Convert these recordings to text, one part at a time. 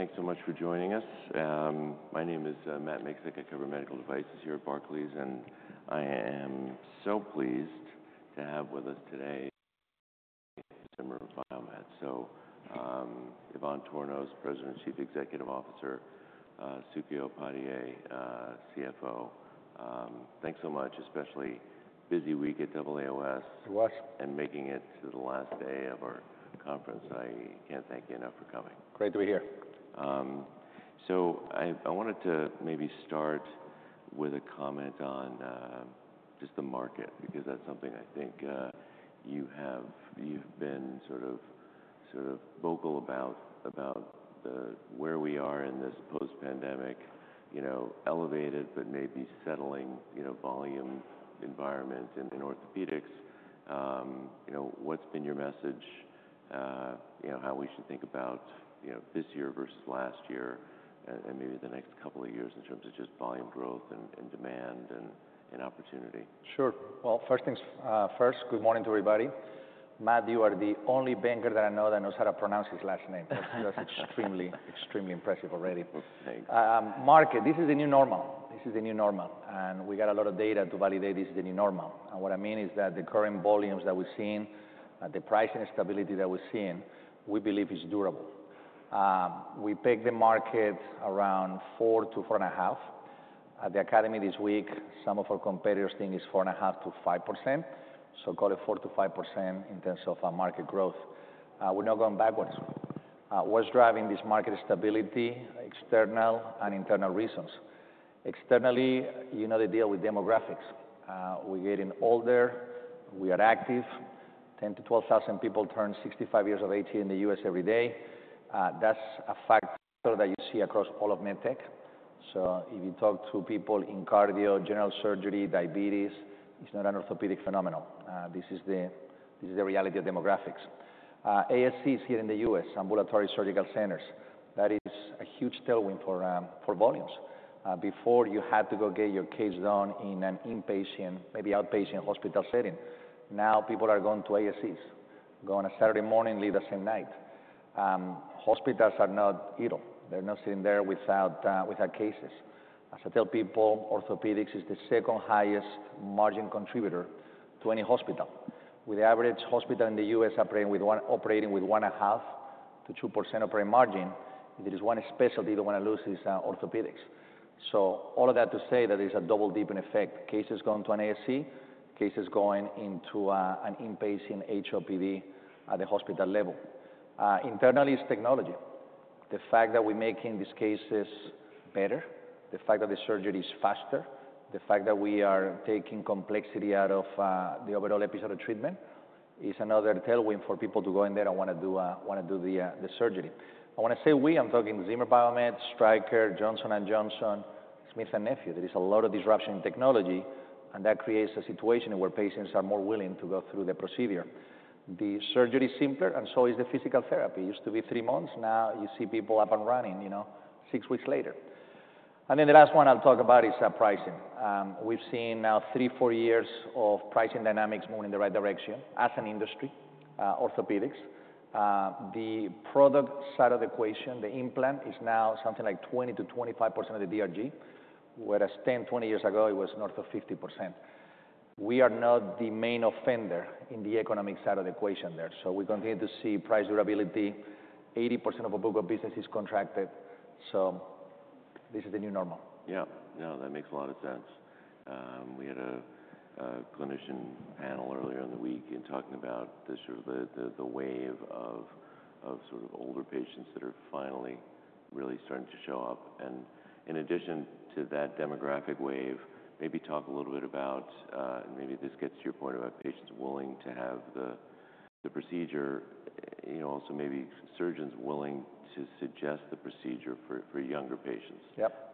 Thanks so much for joining us. My name is Matt Miksic at Cover Medical Devices here at Barclays, and I am so pleased to have with us today Zimmer Biomet. Ivan Tornos, President and Chief Executive Officer, Suky Upadhyay, CFO. Thanks so much, especially busy week at AAOS. You're welcome. Making it to the last day of our conference, I can't thank you enough for coming. Great to be here. I wanted to maybe start with a comment on just the market, because that's something I think you have been sort of vocal about, about where we are in this post-pandemic, you know, elevated but maybe settling, you know, volume environment in orthopedics. You know, what's been your message, you know, how we should think about this year versus last year and maybe the next couple of years in terms of just volume growth and demand and opportunity? Sure. First things first, good morning to everybody. Matt, you are the only banker that I know that knows how to pronounce his last name. That's extremely, extremely impressive already. Thank you. Market, this is the new normal. This is the new normal. We got a lot of data to validate this is the new normal. What I mean is that the current volumes that we've seen, the pricing stability that we're seeing, we believe is durable. We pegged the market around 4-4.5%. At the academy this week, some of our competitors think it's 4.5-5%, so call it 4-5% in terms of market growth. We're not going backwards. What's driving this market stability? External and internal reasons. Externally, you know the deal with demographics. We're getting older, we are active. 10,000-12,000 people turn 65 years of age here in the U.S. every day. That's a factor that you see across all of med tech. If you talk to people in cardio, general surgery, diabetes, it's not an orthopedic phenomenon. This is the reality of demographics. ASCs here in the U.S., ambulatory surgical centers, that is a huge tailwind for volumes. Before, you had to go get your case done in an inpatient, maybe outpatient hospital setting. Now people are going to ASCs, going on a Saturday morning, leave the same night. Hospitals are not idle. They're not sitting there without cases. As I tell people, orthopedics is the second highest margin contributor to any hospital. With the average hospital in the U.S. operating with 1.5% to 2% operating margin, if there is one specialty they want to lose, it's orthopedics. All of that to say that there's a double dip in effect. Cases going to an ASC, cases going into an inpatient HOPD at the hospital level. Internally, it's technology. The fact that we're making these cases better, the fact that the surgery is faster, the fact that we are taking complexity out of the overall episode of treatment is another tailwind for people to go in there and want to do the surgery. When I say we, I'm talking Zimmer Biomet, Stryker, Johnson & Johnson, Smith & Nephew. There is a lot of disruption in technology, and that creates a situation where patients are more willing to go through the procedure. The surgery is simpler, and so is the physical therapy. It used to be three months, now you see people up and running, you know, six weeks later. The last one I'll talk about is pricing. We've seen now three, four years of pricing dynamics moving in the right direction as an industry, orthopedics. The product side of the equation, the implant is now something like 20-25% of the DRG, whereas 10, 20 years ago it was north of 50%. We are not the main offender in the economic side of the equation there. We continue to see price durability, 80% of our book of business is contracted. This is the new normal. Yeah. No, that makes a lot of sense. We had a clinician panel earlier in the week in talking about the sort of the wave of sort of older patients that are finally really starting to show up. In addition to that demographic wave, maybe talk a little bit about, and maybe this gets to your point about patients willing to have the procedure, you know, also maybe surgeons willing to suggest the procedure for younger patients. Yep.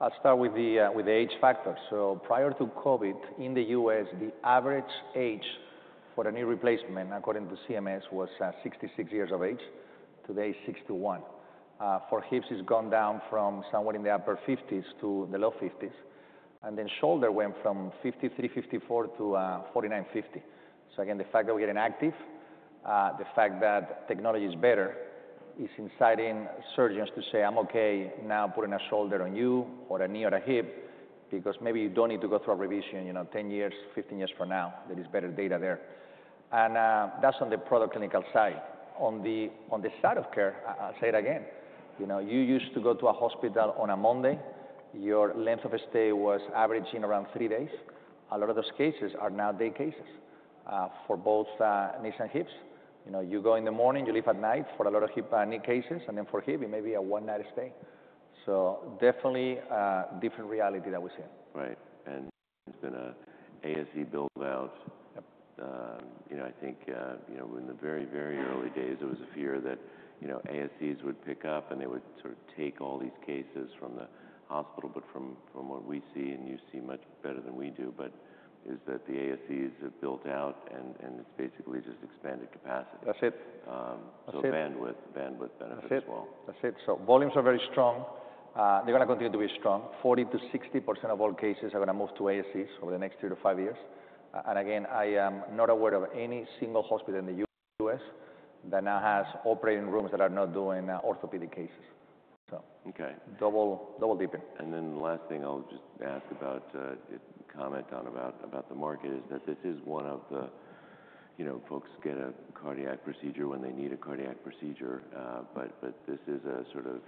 I'll start with the age factor. Prior to COVID, in the U.S. the average age for a knee replacement, according to CMS, was 66 years of age. Today, 61. For hips, it's gone down from somewhere in the upper 50s to the low 50s. Shoulder went from 53, 54 to 49, 50. The fact that we're getting active, the fact that technology is better is inciting surgeons to say, "I'm okay now putting a shoulder on you or a knee or a hip," because maybe you don't need to go through a revision, you know, 10 years, 15 years from now. There is better data there. That's on the product clinical side. On the side of care, I'll say it again, you know, you used to go to a hospital on a Monday, your length of stay was averaging around three days. A lot of those cases are now day cases for both knees and hips. You know, you go in the morning, you leave at night for a lot of hip and knee cases, and then for hip, it may be a one-night stay. Definitely different reality that we're seeing. Right. There's been an ASC build-out. You know, I think, you know, in the very, very early days, there was a fear that, you know, ASCs would pick up and they would sort of take all these cases from the hospital. From what we see, and you see much better than we do, is that the ASCs have built out and it's basically just expanded capacity. That's it. Bandwidth benefits as well. That's it. That's it. Volumes are very strong. They're going to continue to be strong. 40-60% of all cases are going to move to ASCs over the next three to five years. Again, I am not aware of any single hospital in the U.S. that now has operating rooms that are not doing orthopedic cases. Double dipping. The last thing I'll just ask about, comment on about the market is that this is one of the, you know, folks get a cardiac procedure when they need a cardiac procedure, but this is a sort of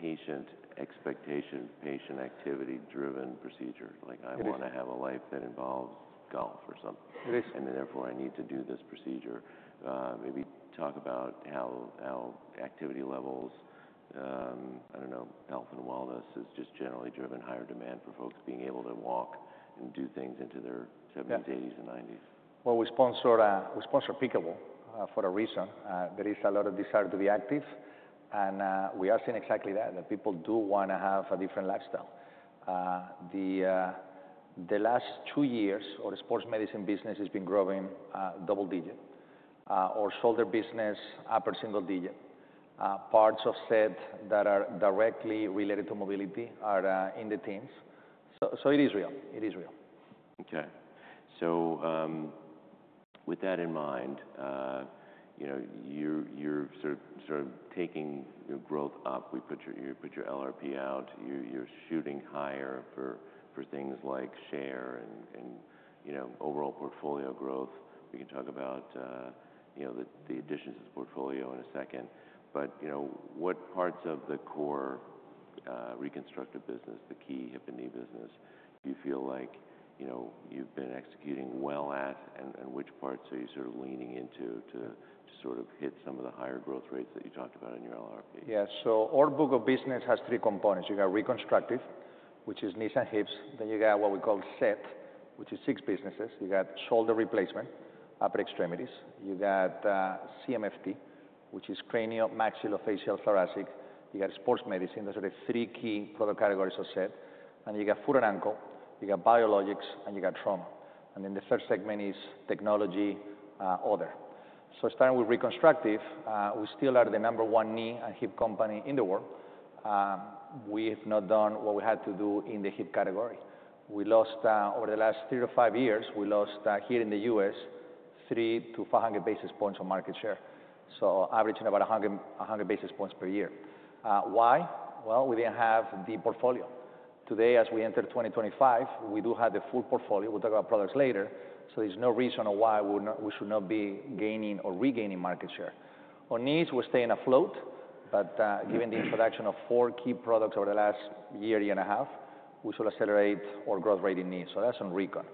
patient expectation, patient activity-driven procedure. Like, I want to have a life that involves golf or something. It is. Therefore I need to do this procedure. Maybe talk about how activity levels, I don't know, health and wellness is just generally driven higher demand for folks being able to walk and do things into their 70s, 80s, and 90s. We sponsor pickleball for a reason. There is a lot of desire to be active. We are seeing exactly that, that people do want to have a different lifestyle. The last two years of the sports medicine business has been growing double digit. Our shoulder business, upper single digit. Parts of S.E.T. that are directly related to mobility are in the teens. It is real. It is real. Okay. With that in mind, you know, you're sort of taking growth up. You put your LRP out. You're shooting higher for things like share and, you know, overall portfolio growth. We can talk about, you know, the additions to the portfolio in a second. You know, what parts of the core reconstructive business, the key hip and knee business, do you feel like, you know, you've been executing well at, and which parts are you sort of leaning into to sort of hit some of the higher growth rates that you talked about in your LRP? Yeah. Our book of business has three components. You got reconstructive, which is knees and hips. You got what we call S.E.T., which is six businesses. You got shoulder replacement, upper extremities. You got CMFT, which is cranial, maxillary, facial, thoracic. You got sports medicine. Those are the three key product categories of S.E.T. You got foot and ankle. You got biologics, and you got trauma. The third segment is technology, other. Starting with reconstructive, we still are the number one knee and hip company in the world. We have not done what we had to do in the hip category. We lost over the last three to five years, we lost here in the U.S., 300-500 basis points of market share. Averaging about 100 basis points per year. Why? We did not have the portfolio. Today, as we enter 2025, we do have the full portfolio. We'll talk about products later. There's no reason why we should not be gaining or regaining market share. On knees, we're staying afloat. Given the introduction of four key products over the last year, year and a half, we should accelerate our growth rate in knees. That's on recon.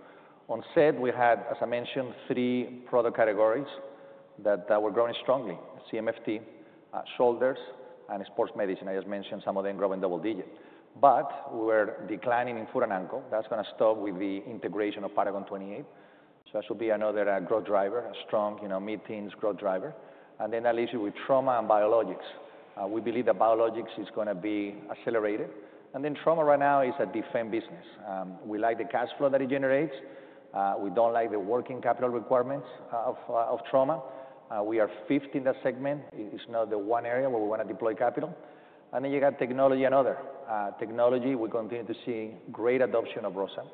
On S.E.T., we had, as I mentioned, three product categories that were growing strongly: CMFT, shoulders, and sports medicine. I just mentioned some of them growing double digit. We were declining in foot and ankle. That's going to stop with the integration of Paragon 28. That should be another growth driver, a strong, you know, mid-teens growth driver. That leaves you with trauma and biologics. We believe that biologics is going to be accelerated. Trauma right now is a defense business. We like the cash flow that it generates. We don't like the working capital requirements of trauma. We are fifth in that segment. It's not the one area where we want to deploy capital. You got technology, another. Technology, we continue to see great adoption of ROSA.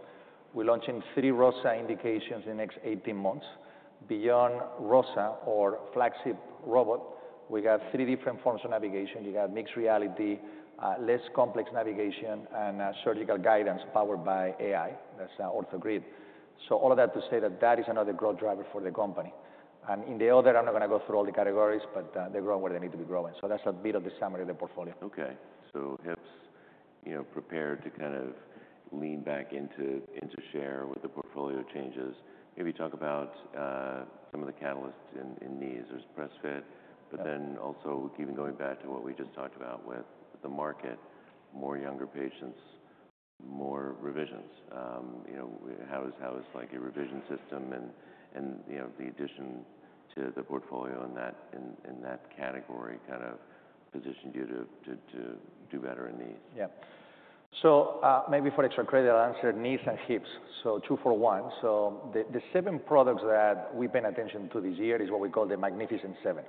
We're launching three ROSA indications in the next 18 months. Beyond ROSA, our flagship robot, we got three different forms of navigation. You got mixed reality, less complex navigation, and surgical guidance powered by AI. That's OrthoGrid. All of that to say that that is another growth driver for the company. In the other, I'm not going to go through all the categories, but they're growing where they need to be growing. That's a bit of the summary of the portfolio. Okay. So, hips, you know, prepared to kind of lean back into share with the portfolio changes. Maybe talk about some of the catalysts in knees. There's Press-fit, but then also even going back to what we just talked about with the market, more younger patients, more revisions. You know, how does like a revision system and, you know, the addition to the portfolio in that category kind of positioned you to do better in knees? Yeah. Maybe for extra credit, I'll answer knees and hips. Two for one. The seven products that we've paid attention to this year is what we call the Magnificent Seven.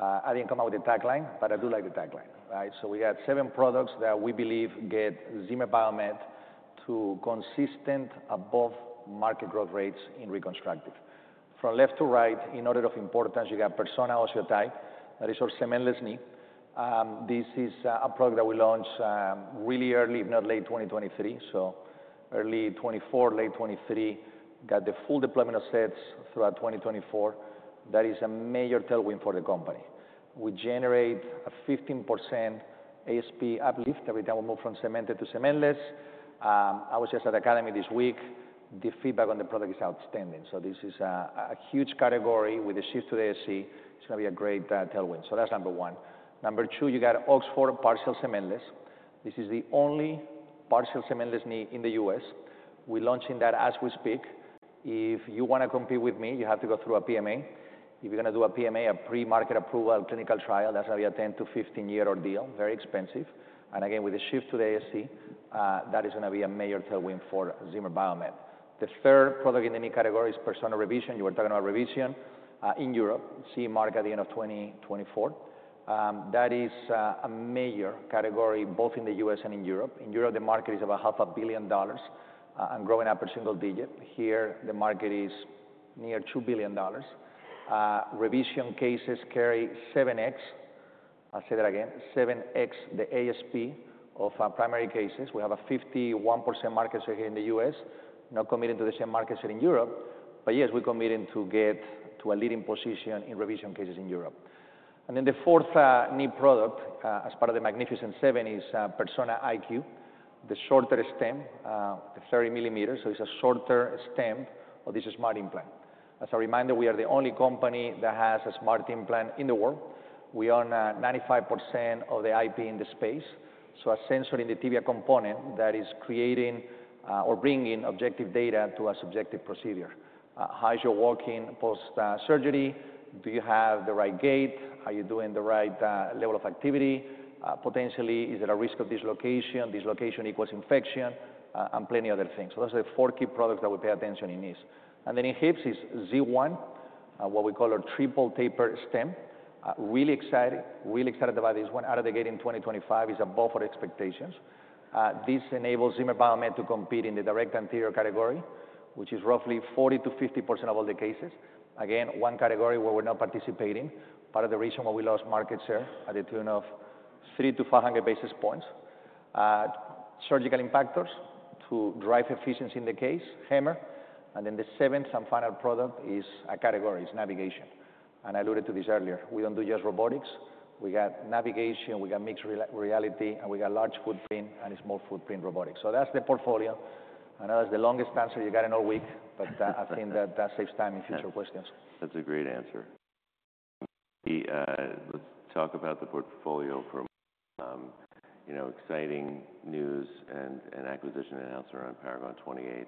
I didn't come up with the tagline, but I do like the tagline, right? We got seven products that we believe get Zimmer Biomet to consistent above market growth rates in reconstructive. From left to right, in order of importance, you got Persona OsseoTI. That is our cementless knee. This is a product that we launched really early, if not late 2023. Early 2024, late 2023, got the full deployment of sets throughout 2024. That is a major tailwind for the company. We generate a 15% ASP uplift every time we move from cemented to cementless. I was just at the academy this week. The feedback on the product is outstanding. This is a huge category with a shift to the ASC. It's going to be a great tailwind. That's number one. Number two, you got Oxford Partial Cementless. This is the only partial cementless knee in the U.S. we're launching that as we speak. If you want to compete with me, you have to go through a PMA. If you're going to do a PMA, a pre-market approval, clinical trial, that's going to be a 10-15 year ordeal, very expensive. Again, with the shift to the ASC, that is going to be a major tailwind for Zimmer Biomet. The third product in the knee category is Persona Revision. You were talking about revision in Europe, seeing market at the end of 2024. That is a major category both in the U.S. and in Europe. In Europe, the market is about $500,000,000 and growing upper single digit. Here, the market is near $2 billion. Revision cases carry 7X. I'll say that again, 7X the ASP of primary cases. We have a 51% market share here in the U.S., not committing to the same market share in Europe. Yes, we're committing to get to a leading position in revision cases in Europe. The fourth knee product as part of the Magnificent Seven is Persona IQ, the shorter stem, the 30 millimeters. It's a shorter stem of this smart implant. As a reminder, we are the only company that has a smart implant in the world. We own 95% of the IP in the space. A sensor in the tibia component that is creating or bringing objective data to a subjective procedure. How is your walking post-surgery? Do you have the right gait? Are you doing the right level of activity? Potentially, is there a risk of dislocation? Dislocation equals infection and plenty of other things. Those are the four key products that we pay attention in knees. In hips is Z1, what we call our triple taper stem. Really excited, really excited about this one. Out of the gate in 2025 is above our expectations. This enables Zimmer Biomet to compete in the direct anterior category, which is roughly 40-50% of all the cases. Again, one category where we're not participating. Part of the reason why we lost market share at the tune of 300-500 basis points. Surgical impactors to drive efficiency in the case, HAMMR. The seventh and final product is a category. It's navigation. I alluded to this earlier. We don't do just robotics. We got navigation, we got mixed reality, and we got large footprint and small footprint robotics. That's the portfolio. I know that's the longest answer you got in all week, but I think that saves time in future questions. That's a great answer. Let's talk about the portfolio for, you know, exciting news and acquisition announcer on Paragon 28.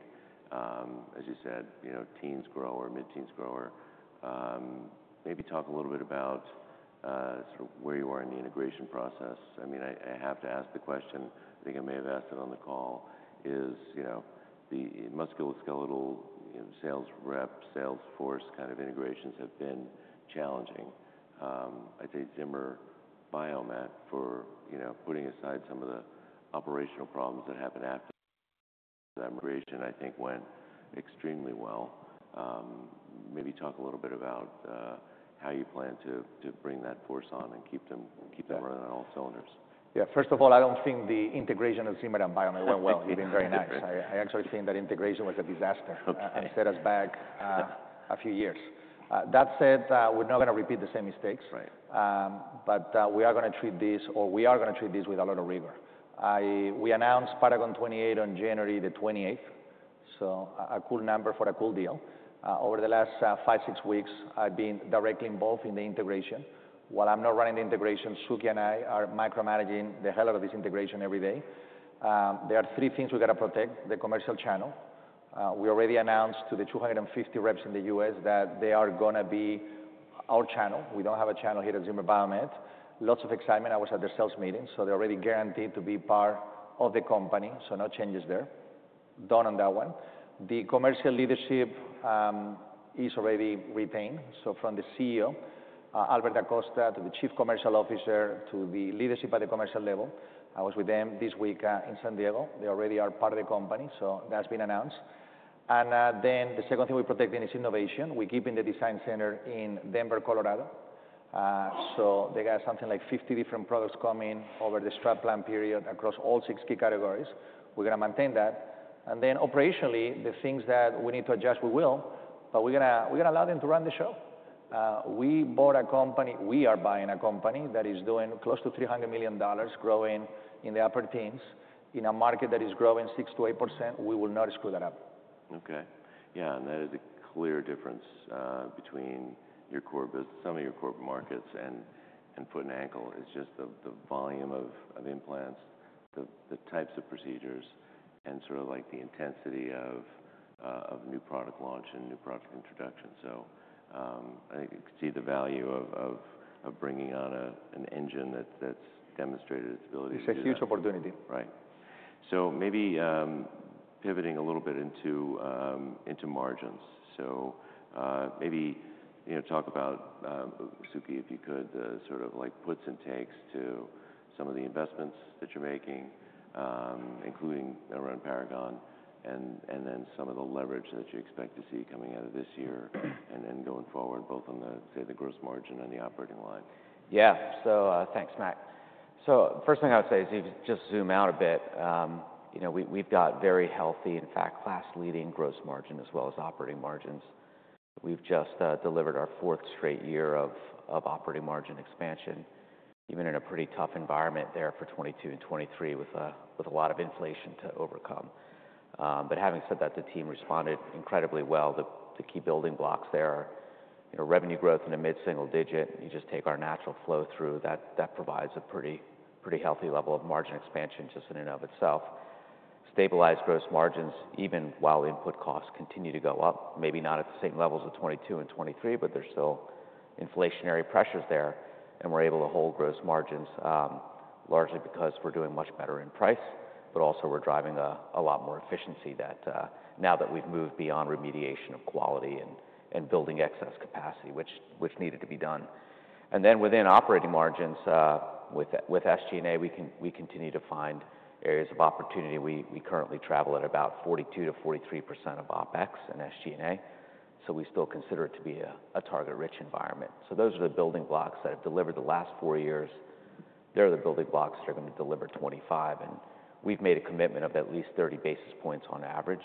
As you said, you know, teens grower, mid-teens grower. Maybe talk a little bit about sort of where you are in the integration process. I mean, I have to ask the question, I think I may have asked it on the call, is, you know, the musculoskeletal, you know, sales rep, sales force kind of integrations have been challenging. I'd say Zimmer Biomet for, you know, putting aside some of the operational problems that happened after that migration, I think went extremely well. Maybe talk a little bit about how you plan to bring that force on and keep them running on all cylinders. Yeah. First of all, I don't think the integration of Zimmer and Biomet went well. It's been very nice. I actually think that integration was a disaster and set us back a few years. That said, we're not going to repeat the same mistakes. Right. We are going to treat this, or we are going to treat this with a lot of rigor. We announced Paragon 28 on January the 28th. A cool number for a cool deal. Over the last five, six weeks, I've been directly involved in the integration. While I'm not running the integration, Suky and I are micromanaging the hell out of this integration every day. There are three things we got to protect: the commercial channel. We already announced to the 250 reps in the U.S. that they are going to be our channel. We don't have a channel here at Zimmer Biomet. Lots of excitement. I was at their sales meeting. They're already guaranteed to be part of the company. No changes there. Done on that one. The commercial leadership is already retained. From the CEO, Albert Acosta, to the Chief Commercial Officer, to the leadership at the commercial level. I was with them this week in San Diego. They already are part of the company. That has been announced. The second thing we are protecting is innovation. We are keeping the design center in Denver, Colorado. They have something like 50 different products coming over the strat plan period across all six key categories. We are going to maintain that. Operationally, the things that we need to adjust, we will. We are going to allow them to run the show. We bought a company, we are buying a company that is doing close to $300 million growing in the upper teens in a market that is growing 6-8%. We will not screw that up. Okay. Yeah. That is a clear difference between your core business, some of your core markets and foot and ankle is just the volume of implants, the types of procedures, and sort of like the intensity of new product launch and new product introduction. I think you can see the value of bringing on an engine that's demonstrated its ability to. It's a huge opportunity. Right. Maybe pivoting a little bit into margins. Maybe, you know, talk about, Suky, if you could, sort of like puts and takes to some of the investments that you're making, including around Paragon, and then some of the leverage that you expect to see coming out of this year and going forward, both on the, say, the gross margin and the operating line. Yeah. Thanks, Matt. The first thing I would say is if you just zoom out a bit, you know, we've got very healthy, in fact, class-leading gross margin as well as operating margins. We've just delivered our fourth straight year of operating margin expansion, even in a pretty tough environment there for 2022 and 2023 with a lot of inflation to overcome. Having said that, the team responded incredibly well. The key building blocks there are, you know, revenue growth in a mid-single digit. You just take our natural flow through. That provides a pretty healthy level of margin expansion just in and of itself. Stabilized gross margins, even while input costs continue to go up, maybe not at the same levels of 2022 and 2023, but there's still inflationary pressures there. We're able to hold gross margins largely because we're doing much better in price, but also we're driving a lot more efficiency now that we've moved beyond remediation of quality and building excess capacity, which needed to be done. Within operating margins, with SG&A, we continue to find areas of opportunity. We currently travel at about 42-43% of OPEX and SG&A. We still consider it to be a target-rich environment. Those are the building blocks that have delivered the last four years. They're the building blocks that are going to deliver 2025. We've made a commitment of at least 30 basis points on average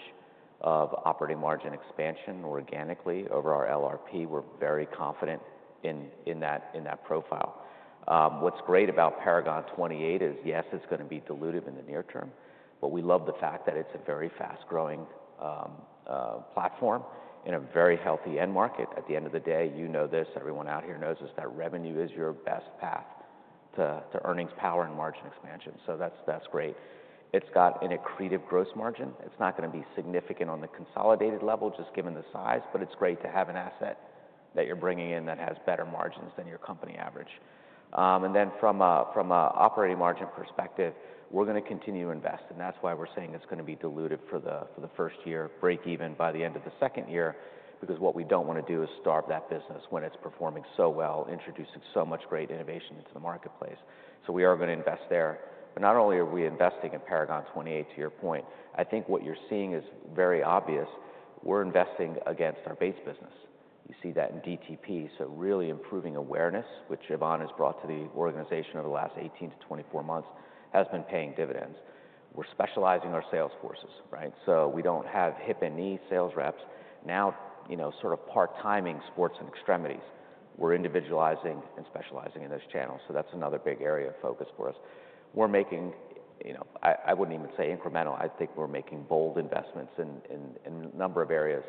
of operating margin expansion organically over our LRP. We're very confident in that profile. What's great about Paragon 28 is, yes, it's going to be dilutive in the near term, but we love the fact that it's a very fast-growing platform in a very healthy end market. At the end of the day, you know this, everyone out here knows this, that revenue is your best path to earnings power and margin expansion. That's great. It's got an accretive gross margin. It's not going to be significant on the consolidated level, just given the size, but it's great to have an asset that you're bringing in that has better margins than your company average. From an operating margin perspective, we're going to continue to invest. That is why we're saying it's going to be dilutive for the first year, break even by the end of the second year, because what we do not want to do is starve that business when it's performing so well, introducing so much great innovation into the marketplace. We are going to invest there. Not only are we investing in Paragon 28, to your point, I think what you're seeing is very obvious. We're investing against our base business. You see that in DTP. Really improving awareness, which Ivan has brought to the organization over the last 18 to 24 months, has been paying dividends. We're specializing our sales forces, right? We do not have hip and knee sales reps now, you know, sort of part-timing sports and extremities. We're individualizing and specializing in those channels. That is another big area of focus for us. We're making, you know, I wouldn't even say incremental. I think we're making bold investments in a number of areas.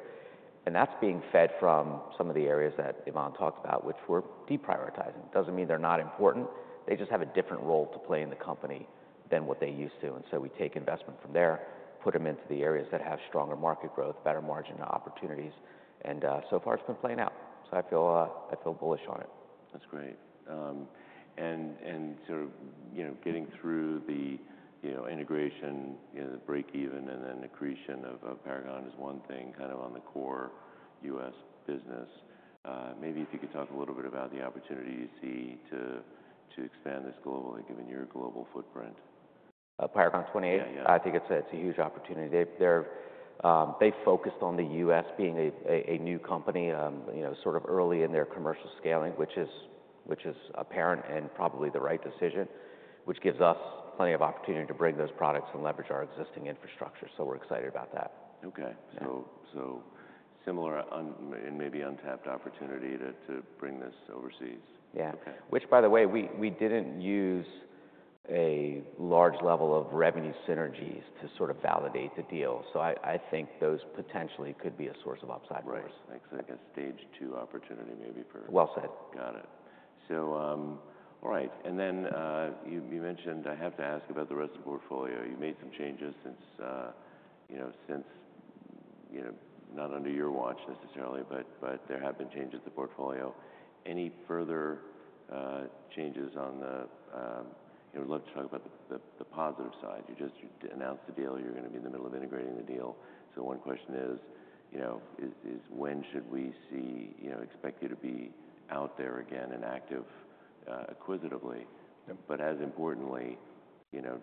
That's being fed from some of the areas that Ivan talked about, which we're deprioritizing. Doesn't mean they're not important. They just have a different role to play in the company than what they used to. We take investment from there, put them into the areas that have stronger market growth, better margin opportunities. So far, it's been playing out. I feel bullish on it. That's great. And sort of, you know, getting through the, you know, integration, you know, the break even and then accretion of Paragon 28 is one thing kind of on the core U.S. business. Maybe if you could talk a little bit about the opportunity you see to expand this globally, given your global footprint. Paragon 28, I think it's a huge opportunity. They focused on the U.S. being a new company, you know, sort of early in their commercial scaling, which is apparent and probably the right decision, which gives us plenty of opportunity to bring those products and leverage our existing infrastructure. We're excited about that. Okay. Similar and maybe untapped opportunity to bring this overseas. Yeah. Which, by the way, we did not use a large level of revenue synergies to sort of validate the deal. I think those potentially could be a source of upside for us. Right. Like a stage two opportunity maybe for. Well said. Got it. All right. And then you mentioned, I have to ask about the rest of the portfolio. You made some changes since, you know, since, you know, not under your watch necessarily, but there have been changes to the portfolio. Any further changes on the, you know, we'd love to talk about the positive side. You just announced the deal. You're going to be in the middle of integrating the deal. One question is, you know, is when should we see, you know, expect you to be out there again and active acquisitively? As importantly, you know,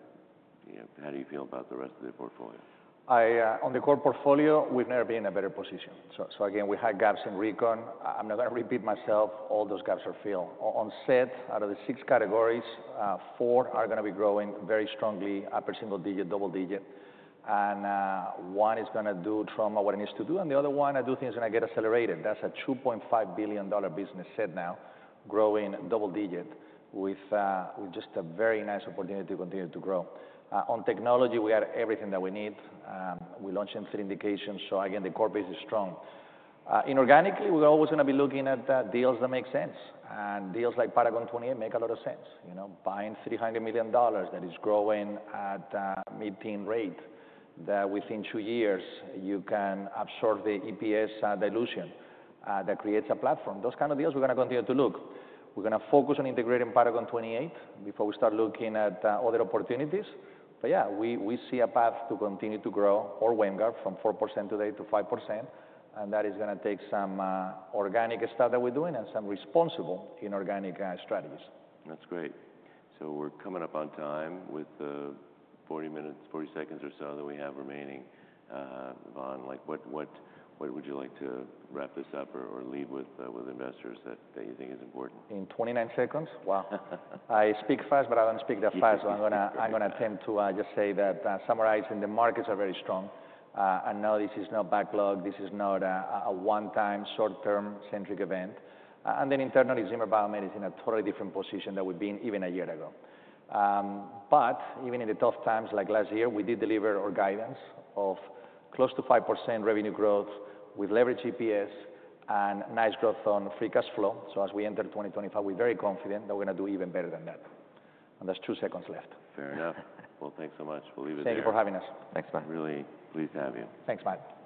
how do you feel about the rest of the portfolio? On the core portfolio, we've never been in a better position. We had gaps in recon. I'm not going to repeat myself. All those gaps are filled. On S.E.T., out of the six categories, four are going to be growing very strongly, upper single digit, double digit. One is going to do trauma what it needs to do. The other one, I do think it's going to get accelerated. That's a $2.5 billion business S.E.T. now, growing double digit with just a very nice opportunity to continue to grow. On technology, we had everything that we need. We launched in three indications. The core base is strong. Inorganically, we're always going to be looking at deals that make sense. Deals like Paragon 28 make a lot of sense. You know, buying $300 million that is growing at a mid-teen rate that within two years you can absorb the EPS dilution that creates a platform. Those kinds of deals we're going to continue to look. We're going to focus on integrating Paragon 28 before we start looking at other opportunities. Yeah, we see a path to continue to grow our WAMGR from 4% today to 5%. That is going to take some organic stuff that we're doing and some responsible inorganic strategies. That's great. We're coming up on time with the 40 minutes, 40 seconds or so that we have remaining. Ivan, like what would you like to wrap this up or leave with investors that you think is important? In 29 seconds, wow. I speak fast, but I don't speak that fast. I'm going to attempt to just say that summarizing, the markets are very strong. No, this is not backlog. This is not a one-time short-term centric event. Internally, Zimmer Biomet is in a totally different position than we've been even a year ago. But even in the tough times like last year, we did deliver our guidance of close to 5% revenue growth with leverage EPS and nice growth on free cash flow. As we enter 2025, we're very confident that we're going to do even better than that. That's two seconds left. Fair enough. Thanks so much. We'll leave it there. Thank you for having us. Thanks, Matt. Really pleased to have you. Thanks, Matt.